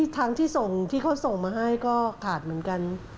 ทางที่ส่งที่เขาส่งมาให้ก็ขาดเหมือนกัน